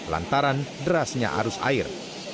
lantaran derasnya arus air